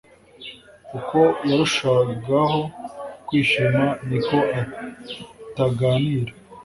uko yarushagaho kwishima, niko ataganira